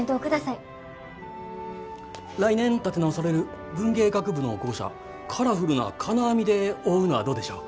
来年建て直される文芸学部の校舎カラフルな金網で覆うのはどうでしょう？